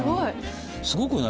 すごくない？